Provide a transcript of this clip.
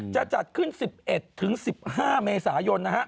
จะจัดขึ้น๑๑๑๕เมษายน